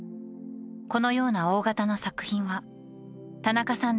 このような大型の作品は田中さん